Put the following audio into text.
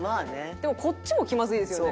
でもこっちも気まずいですよね。